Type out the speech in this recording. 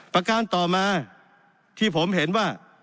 ประการต่อมาที่ผมเห็นว่า